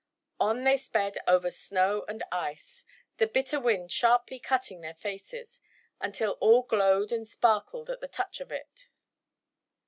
On they sped over snow and ice, the bitter wind sharply cutting their faces, until all glowed and sparkled at the touch of it.